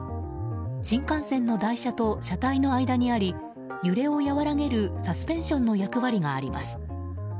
新幹線の台車と車体の間にあり揺れを和らげるサスペンションの役割があります。